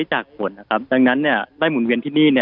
จากผลนะครับดังนั้นได้หมุนเวียนที่นี่